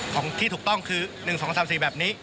ของที่ถูกต้องคือ๑๒๓๔แบบนี้